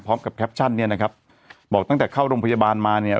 พร้อมกับแคปชั่นเนี้ยนะครับบอกตั้งแต่เข้ารมพยาบาลมาเนี้ย